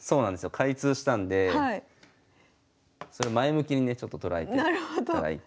開通したんでそれ前向きにねちょっと捉えていただいて。